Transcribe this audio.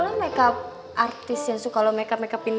lo mah makeup artis yang suka lo makeup makeupin